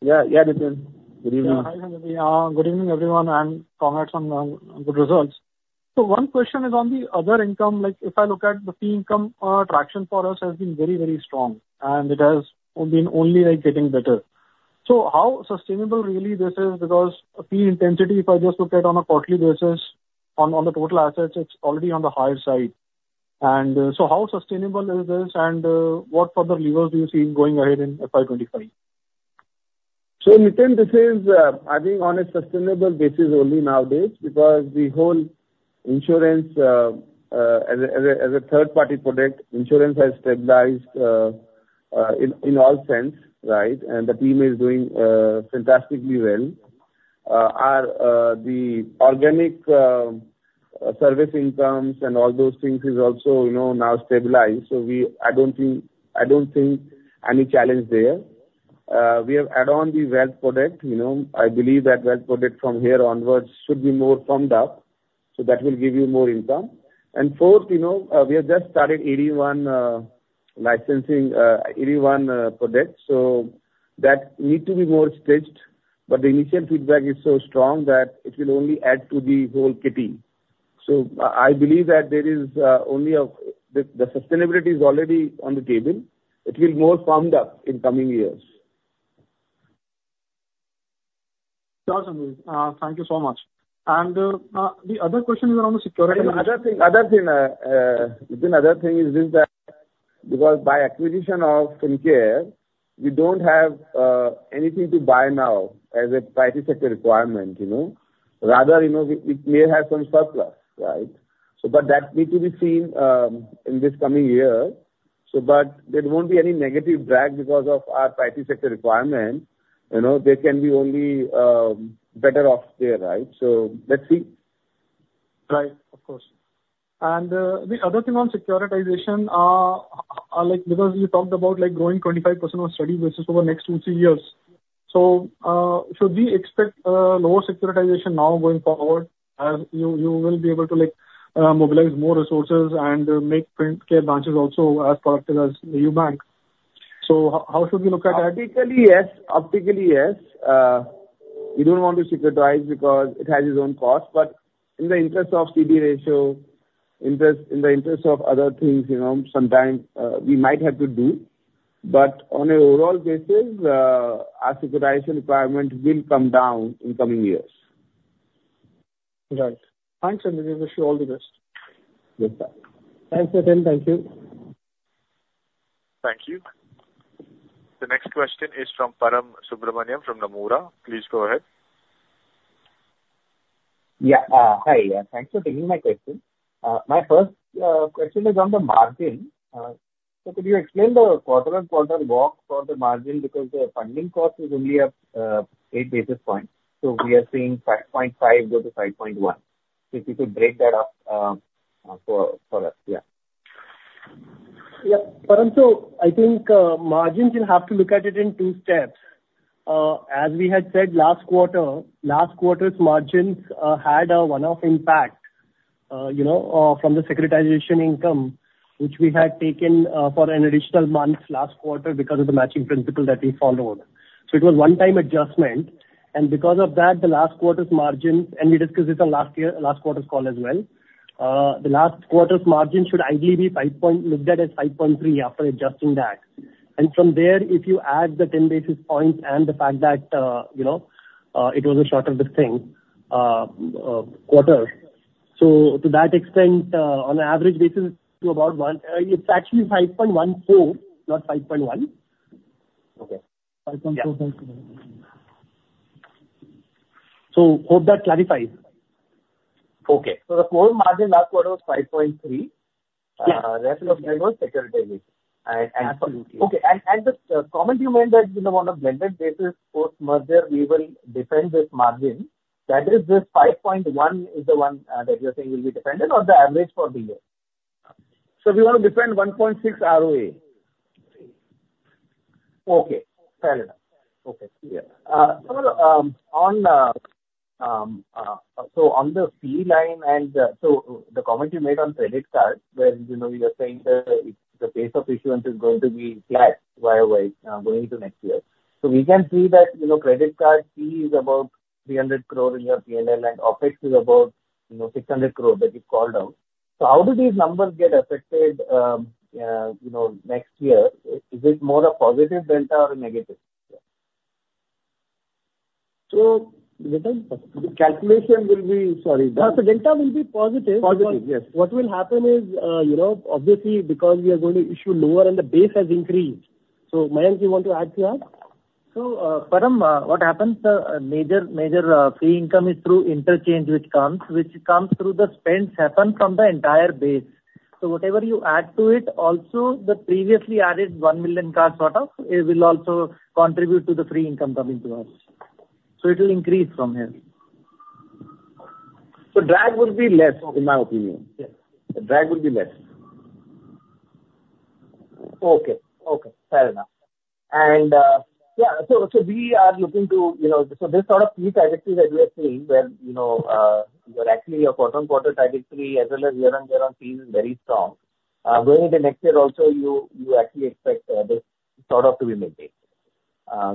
Yeah. Yeah, Nitin. Good evening. Yeah. Hi, Sanjay Ji. Good evening, everyone. Congrats on the good results. One question is on the other income. If I look at the fee income, traction for us has been very, very strong, and it has been only getting better. So how sustainable, really, this is? Because fee intensity, if I just look at on a quarterly basis, on the total assets, it's already on the higher side. So how sustainable is this, and what further levers do you see going ahead in FY25? So Nitin, this is, I think, on a sustainable basis only nowadays because the whole insurance, as a third-party product, insurance has stabilized in all sense, right? And the team is doing fantastically well. The organic service incomes and all those things is also now stabilized. So I don't think any challenge there. We have added on the wealth product. I believe that wealth product from here onwards should be more firmed up, so that will give you more income. And fourth, we have just started AD1 licensing AD1 products. So that needs to be more stretched. But the initial feedback is so strong that it will only add to the whole kitty. So I believe that there is only the sustainability is already on the table. It will be more firmed up in coming years. Awesome, Vivek. Thank you so much. And the other question is around the security. Another thing, Nitin, another thing is this that because by acquisition of Fincare, we don't have anything to buy now as a private sector requirement. Rather, we may have some surplus, right? But that needs to be seen in this coming year. But there won't be any negative drag because of our private sector requirement. There can be only better off there, right? So let's see. Right. Of course. And the other thing on securitization because you talked about growing 25% on a steady basis over next two, three years. So should we expect lower securitization now going forward as you will be able to mobilize more resources and make Fincare branches also as productive as the AU? So how should we look at that? Optically, yes. Optically, yes. We don't want to securitize because it has its own cost. But in the interest of CD ratio, in the interest of other things, sometimes we might have to do. But on an overall basis, our securitization requirement will come down in coming years. Right. Thanks, Sanjay Ji. I wish you all the best. Yes, sir. Thanks, Nitin. Thank you. Thank you. The next question is from Param Subramanian from Nomura. Please go ahead. Yeah. Hi. Thanks for taking my question. My first question is on the margin. So could you explain the quarter-on-quarter walk for the margin because the funding cost is only up 8 basis points? So we are seeing 5.5 go to 5.1. So if you could break that up for us, yeah. Yeah. Param, so I think margins will have to look at it in two steps. As we had said last quarter, last quarter's margins had one-off impact from the securitization income, which we had taken for an additional month last quarter because of the matching principle that we followed. So it was one-time adjustment. And because of that, the last quarter's margins and we discussed this on last quarter's call as well. The last quarter's margin should ideally be looked at as 5.3 after adjusting that. And from there, if you add the 10 basis points and the fact that it was a shorter quarter. So to that extent, on an average basis, it's about 1. It's actually 5.14, not 5.1. Okay. 5.45. So hope that clarifies. Okay. The total margin last quarter was 5.3. The rest of that was securitization. Comment you made that on a blended basis, post-merger, we will defend this margin. That is, this 5.1 is the one that you're saying will be defended or the average for the year? We want to defend 1.6 ROA. Okay. Fair enough. Okay. On the fee line and so the comment you made on credit card where you are saying that the pace of issuance is going to be flat while going into next year. So we can see that credit card fee is about 300 crore in your P&L and OpEx is about 600 crore that you've called out. So how do these numbers get affected next year? Is it more a positive delta or a negative? Nitin, the calculation will be sorry. No, the delta will be positive. Positive, yes. What will happen is, obviously, because we are going to issue lower and the base has increased. So Mayank, you want to add to that? So, Param, what happens: major fee income is through interchange, which comes through the spends happen from the entire base. So whatever you add to it, also, the previously added 1 million card sort of, it will also contribute to the fee income coming to us. So it will increase from here. That would be less, in my opinion. Yes. That will be less. Okay. Okay. Fair enough. And yeah, so we are looking to so this sort of fee trajectory that we are seeing where you're actually your quarter-over-quarter trajectory as well as year-over-year on fee is very strong. Going into next year also, you actually expect this sort of to be maintained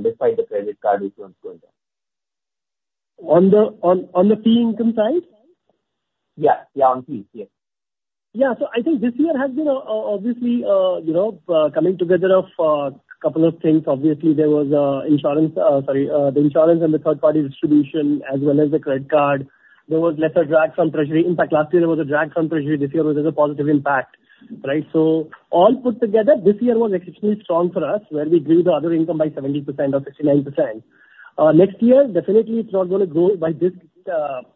despite the credit card issuance going down. On the fee income side? Yeah. Yeah, on fees. Yes. Yeah. So I think this year has been, obviously, coming together of a couple of things. Obviously, there was insurance, sorry, the insurance and the third-party distribution as well as the credit card. There was lesser drag from treasury. In fact, last year, there was a drag from treasury. This year, there was a positive impact, right? So all put together, this year was exceptionally strong for us where we grew the other income by 70% or 69%. Next year, definitely, it's not going to grow by this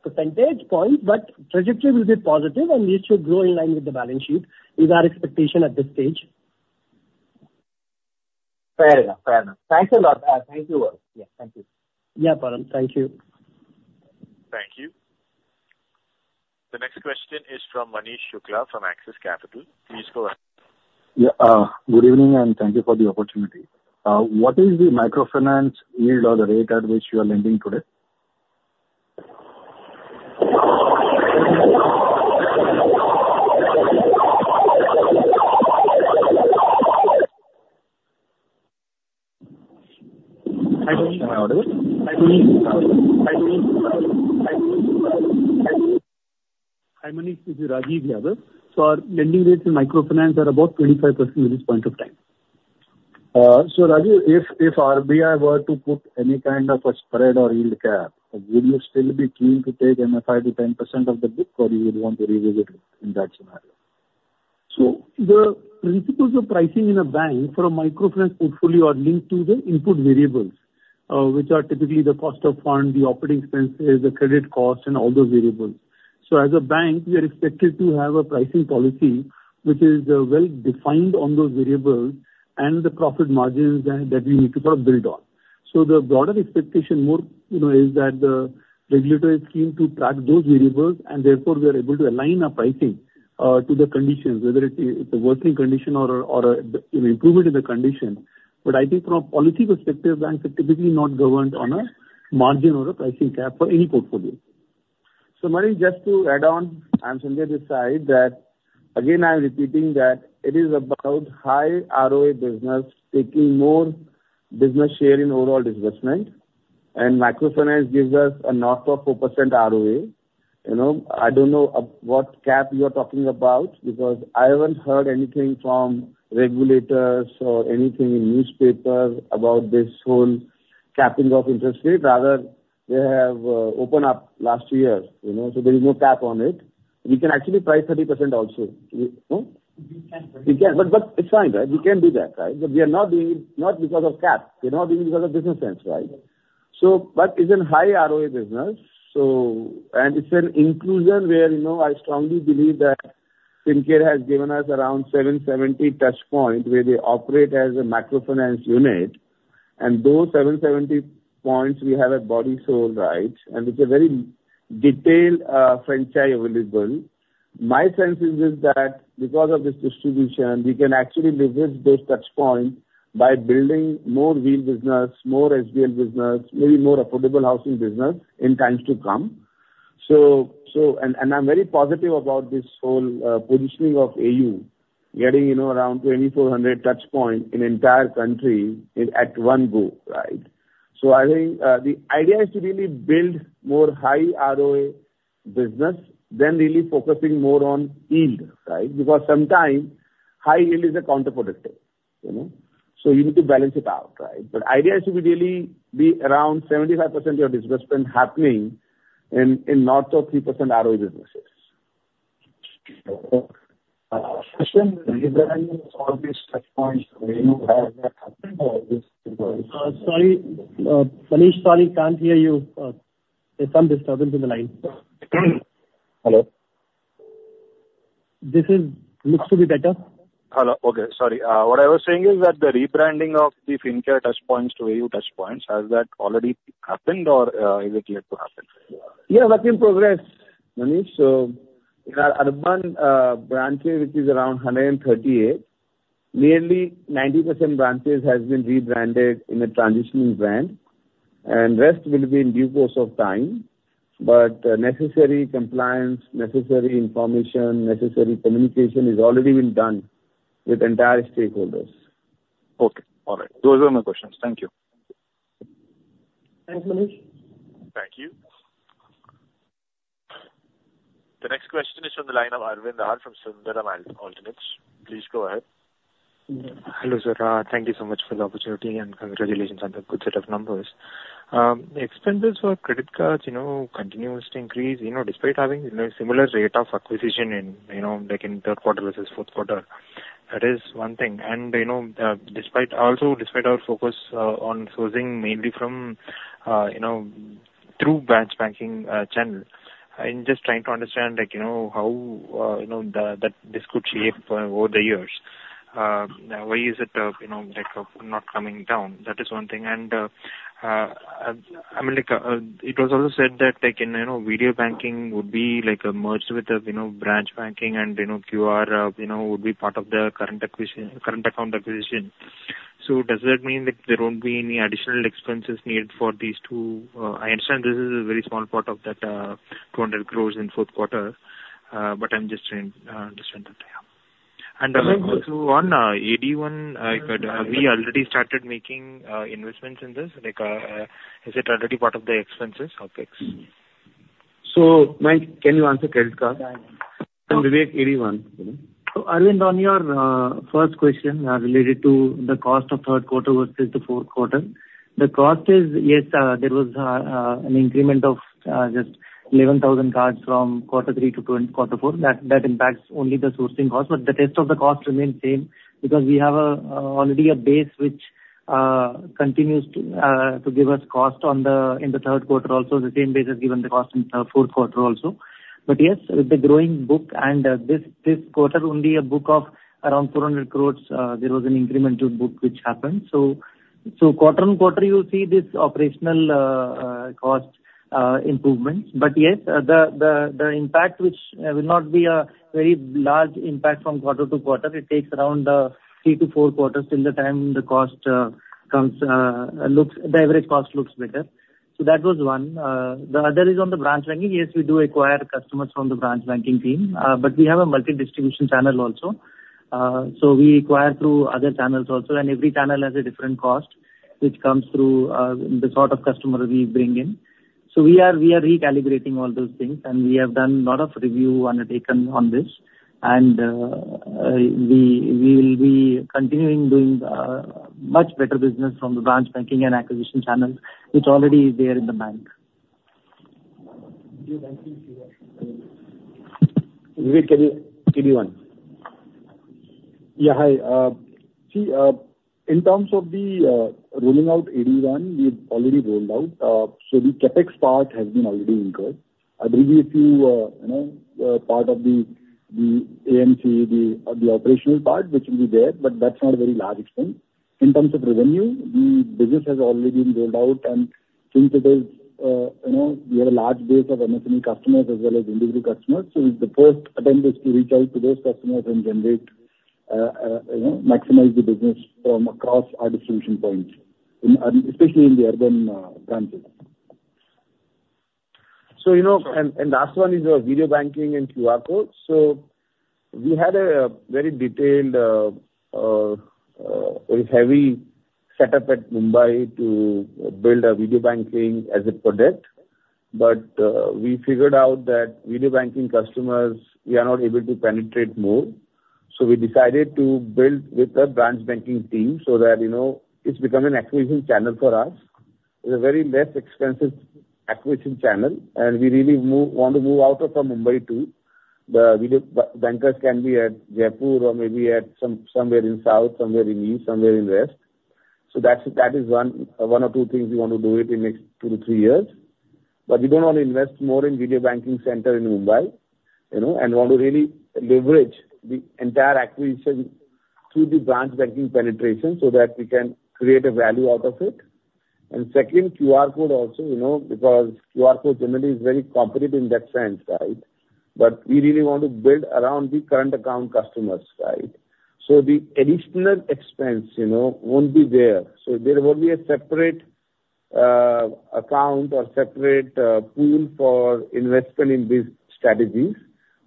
percentage point, but trajectory will be positive, and this should grow in line with the balance sheet. Is our expectation at this stage? Fair enough. Fair enough. Thanks a lot. Thank you all. Yeah. Thank you. Yeah, Param. Thank you. Thank you. The next question is from Manish Shukla from Axis Capital. Please go ahead. Yeah. Good evening, and thank you for the opportunity. What is the microfinance yield or the rate at which you are lending today? Hi, Manish. Am I audible? Hi, Manish. Hi, Manish. This is Rajeev Yadav. So our lending rates in microfinance are about 25% at this point of time. Rajeev, if RBI were to put any kind of a spread or yield cap, would you still be keen to take MFI to 10% of the book, or you would want to revisit it in that scenario? So the principles of pricing in a bank for a microfinance portfolio are linked to the input variables, which are typically the cost of fund, the operating expenses, the credit cost, and all those variables. So as a bank, we are expected to have a pricing policy which is well defined on those variables and the profit margins that we need to sort of build on. So the broader expectation is that the regulator is keen to track those variables, and therefore, we are able to align our pricing to the conditions, whether it's a worsening condition or an improvement in the condition. But I think from a policy perspective, banks are typically not governed on a margin or a pricing cap for any portfolio. So Manish, just to add on, I'm Sanjay ji's side. Again, I'm repeating that it is about high ROA business taking more business share in overall disbursement. And microfinance gives us a north of 4% ROA. I don't know what cap you are talking about because I haven't heard anything from regulators or anything in newspapers about this whole capping of interest rate. Rather, they have opened up last year, so there is no cap on it. We can actually price 30% also. No? We can. We can. But it's fine, right? We can do that, right? But we are not doing it not because of cap. We're not doing it because of business sense, right? But it's a high ROA business, and it's an inclusion where I strongly believe that Fincare has given us around 770 touchpoints where they operate as a microfinance unit. And those 770 points, we have a body sold, right? And it's a very detailed franchise available. My sense is that because of this distribution, we can actually leverage those touchpoints by building more real business, more SBL business, maybe more affordable housing business in times to come. And I'm very positive about this whole positioning of AU getting around 2,400 touchpoints in the entire country at one go, right? So I think the idea is to really build more high ROA business than really focusing more on yield, right? Because sometimes, high yield is counterproductive. So you need to balance it out, right? But the idea is to really be around 75% of your disbursement happening in north of 3% ROA businesses. Is there any of these touchpoints where you have that happen or is it? Sorry. Manish, sorry. Can't hear you. There's some disturbance in the line. Hello? This looks to be better. Hello. Okay. Sorry. What I was saying is that the rebranding of the Fincare touchpoints to AU touchpoints, has that already happened, or is it yet to happen? Yeah. That's in progress, Manish. So in our urban branches, which is around 138, nearly 90% branches have been rebranded in a transitioning brand. And the rest will be in due course of time. But necessary compliance, necessary information, necessary communication has already been done with the entire stakeholders. Okay. All right. Those are my questions. Thank you. Thanks, Manish. Thank you. The next question is from the line of Aravind R from Sundaram Alternates. Please go ahead. Hello, sir. Thank you so much for the opportunity, and congratulations on the good set of numbers. Expenses for credit cards continuously increase despite having a similar rate of acquisition in third quarter versus fourth quarter. That is one thing. And also, despite our focus on sourcing mainly through branch banking channel, I'm just trying to understand how this could shape over the years. Why is it not coming down? That is one thing. And I mean, it was also said that video banking would be merged with branch banking, and QR would be part of the current account acquisition. So does that mean that there won't be any additional expenses needed for these two? I understand this is a very small part of that 200 crore in fourth quarter, but I'm just trying to understand that, yeah. And also on AD1, we already started making investments in this. Is it already part of the expenses OPEX? So Mayank, can you answer credit card? I'm Vivek, AD1. So Aravind, on your first question related to the cost of third quarter versus the fourth quarter, the cost is yes, there was an increment of just 11,000 cards from quarter three to quarter four. That impacts only the sourcing cost, but the rest of the cost remains same because we have already a base which continues to give us cost in the third quarter also, the same base as given the cost in the fourth quarter also. But yes, with the growing book and this quarter, only a book of around 400 crore, there was an incremental book which happened. So quarter on quarter, you'll see this operational cost improvement. But yes, the impact will not be a very large impact from quarter to quarter. It takes around 3-4 quarters till the time the average cost looks better. So that was one. The other is on the branch banking. Yes, we do acquire customers from the branch banking team, but we have a multi-distribution channel also. So we acquire through other channels also, and every channel has a different cost which comes through the sort of customer we bring in. So we are recalibrating all those things, and we have done a lot of review undertaken on this. And we will be continuing doing much better business from the branch banking and acquisition channels which already is there in the bank. Thank you. Vivek, can you give me one? Yeah. Hi. See, in terms of the rolling out AD1, we've already rolled out. So the CapEx part has been already incurred. I believe, if you're part of the AMC, the operational part, which will be there, but that's not a very large expense. In terms of revenue, the business has already been rolled out. And since it is, we have a large base of MSME customers as well as individual customers, so the first attempt is to reach out to those customers and maximize the business from across our distribution points, especially in the urban branches. Last one is video banking and QR codes. So we had a very detailed or heavy setup at Mumbai to build our video banking as a product. But we figured out that video banking customers, we are not able to penetrate more. So we decided to build with our branch banking team so that it's become an acquisition channel for us. It's a very less expensive acquisition channel, and we really want to move out from Mumbai too. The bankers can be at Jaipur or maybe somewhere in South, somewhere in East, somewhere in West. So that is one or two things we want to do in the next 2-3 years. But we don't want to invest more in video banking center in Mumbai and want to really leverage the entire acquisition through the branch banking penetration so that we can create a value out of it. And second, QR code also because QR code generally is very competitive in that sense, right? But we really want to build around the current account customers, right? So the additional expense won't be there. So there will be a separate account or separate pool for investment in these strategies.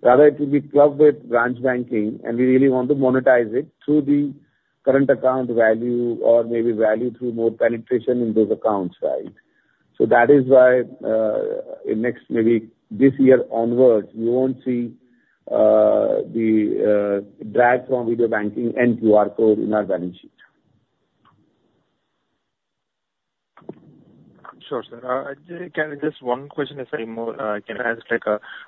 Rather, it will be clubbed with branch banking, and we really want to monetize it through the current account value or maybe value through more penetration in those accounts, right? So that is why in next maybe this year onwards, you won't see the drag from video banking and QR code in our balance sheet. Sure, sir. Just one question if I can ask.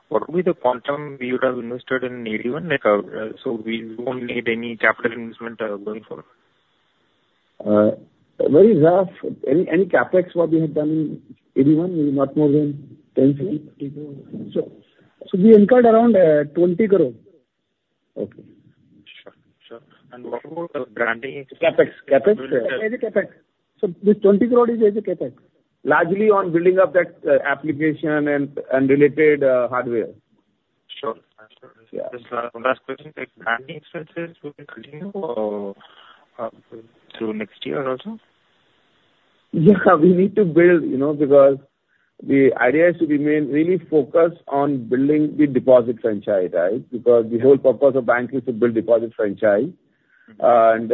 What will be the quantum you have invested in AD1? So we won't need any capital investment going forward? Very rough. Any CapEx what we had done in AD1, maybe not more than 10%? 20%. So we incurred around 20 crore. Okay. Sure. Sure. And what about branding? CapEx. CapEx? It's a CapEx. So this INR 20 crore is a CapEx, largely on building up that application and related hardware. Sure. Just one last question. Branding expenses, will it continue through next year also? Yeah. We need to build because the idea is to remain really focused on building the deposit franchise, right? Because the whole purpose of banking is to build deposit franchise. And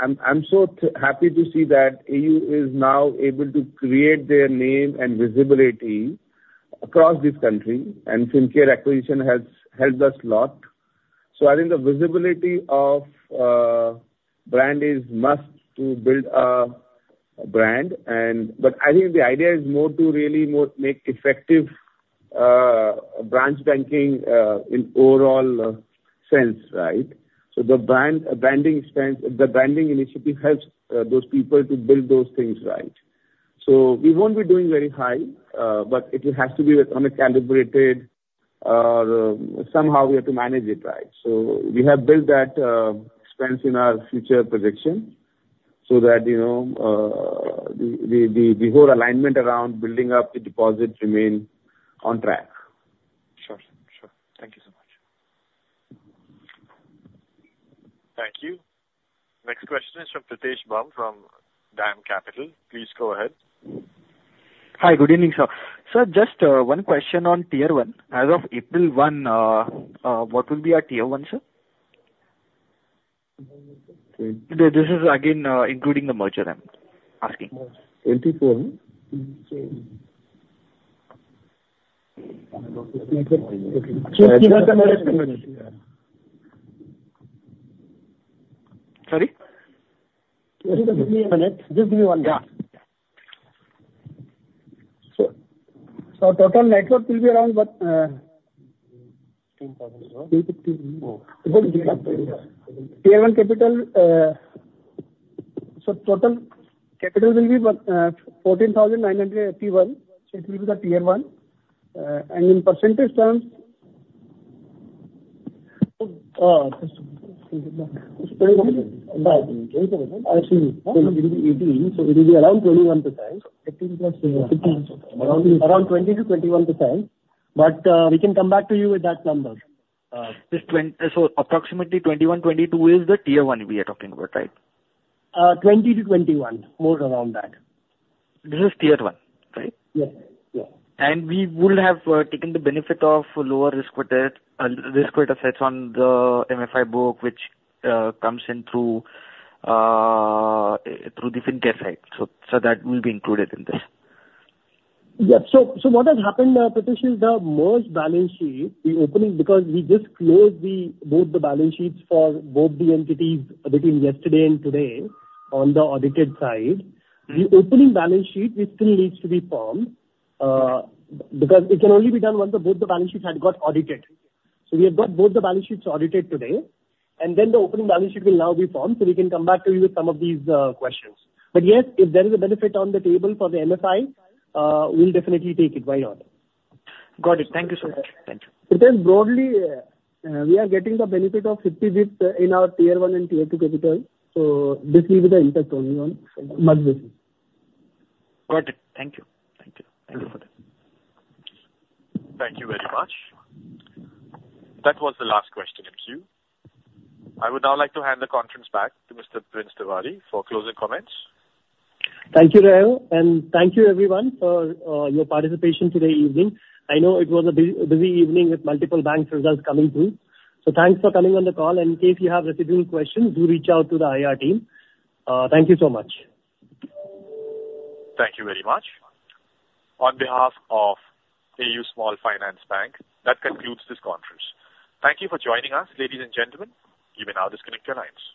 I'm so happy to see that AU is now able to create their name and visibility across this country, and Fincare acquisition has helped us a lot. So I think the visibility of brand is must to build a brand. But I think the idea is more to really make effective branch banking in overall sense, right? So the branding initiative helps those people to build those things, right? So we won't be doing very high, but it has to be recalibrated, or somehow we have to manage it, right? So we have built that expense in our future projection so that the whole alignment around building up the deposit remains on track. Sure. Sure. Thank you so much. Thank you. Next question is from Pritesh Bumb from DAM Capital. Please go ahead. Hi. Good evening, sir. Sir, just one question on Tier 1. As of April 1, what will be our Tier 1, sir? This is again including the merger I'm asking. 24, no? Okay. Sorry? Just give me a minute. Just give me one minute. Yeah. Sure. Total network will be around 15,000. 15,000? Tier 1 capital. So total capital will be 14,981. It will be the Tier 1. And in percentage terms. I see. It will be 18. It will be around 21%. 18 + 21. Around 20%-21%. But we can come back to you with that number. Approximately 21-22 is the Tier 1 we are talking about, right? 20-21, more around that. This is tier one, right? Yes. Yes. We would have taken the benefit of lower risk weights on the MFI book, which comes in through the Fincare side. That will be included in this. Yep. So what has happened, Pritesh, is the merged balance sheet, the opening because we just closed both the balance sheets for both the entities between yesterday and today on the audited side. The opening balance sheet, it still needs to be formed because it can only be done once both the balance sheets had got audited. So we have got both the balance sheets audited today, and then the opening balance sheet will now be formed. So we can come back to you with some of these questions. But yes, if there is a benefit on the table for the MFI, we'll definitely take it. Why not? Got it. Thank you so much. Thank you. Pritesh, broadly, we are getting the benefit of 50 bps in our Tier 1 and Tier 2 capital. So this will be the impact only on must be seen. Got it. Thank you. Thank you. Thank you for this. Thank you very much. That was the last question in queue. I would now like to hand the conference back to Mr. Prince Tiwari for closing comments. Thank you, Rael. Thank you, everyone, for your participation today evening. I know it was a busy evening with multiple banks' results coming through. Thanks for coming on the call. In case you have residual questions, do reach out to the IR team. Thank you so much. Thank you very much. On behalf of AU Small Finance Bank, that concludes this conference. Thank you for joining us, ladies and gentlemen. You may now disconnect your lines.